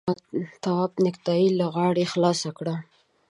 تواب نېکټايي له غاړې خلاصه کړه.